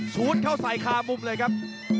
ซูดเข้าใส่คามุมเลยครับ